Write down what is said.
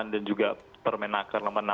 dan juga permenaker nomor enam